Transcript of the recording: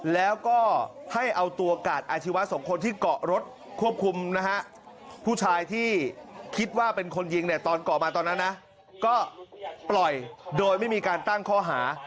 แล้วก็ให้เอาตัวกากอาชีวะ๒คนที่เกาะรถควบคุมนะฮะ